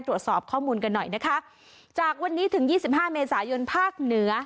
ตรวจสอบข้อมูลกันหน่อยนะคะจากวันนี้ถึงยี่สิบห้าเมษายนภาคเหนือ